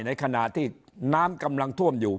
ในขณะที่น้ำกำลังท่วมอยู่